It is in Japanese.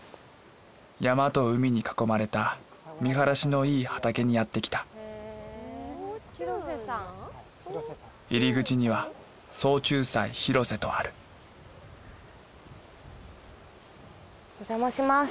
山と海に囲まれた見晴らしのいい畑にやってきた入り口には「草虫菜廣瀬」とあるお邪魔します。